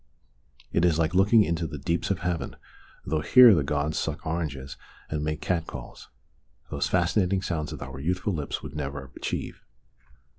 It is like looking into the deeps of heaven, though here the gods suck oranges and make cat calls those fascinating sounds that our youthful lips would never achieve.